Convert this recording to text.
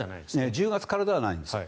１０月からじゃないんですね。